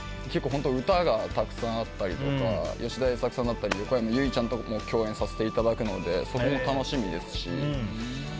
歌がたくさんあったりとか吉田栄作さんだったり横山由依ちゃんとも共演させていただくのでそれも楽しみですし。